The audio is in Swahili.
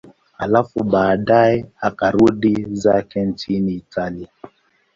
Halafu baadaye akarudi zake nchini Italia.